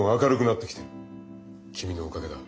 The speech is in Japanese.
君のおかげだ。